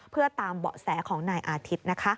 เพื่อตามเบาะแสของนายอาทิตย์นะคะ